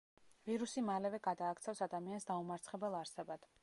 ვირუსი მალევე გადააქცევს ადამიანს დაუმარცხებელ არსებად.